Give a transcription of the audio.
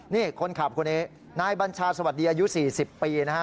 นี่คนขับคนนี้นายบัญชาสวัสดีอายุ๔๐ปีนะฮะ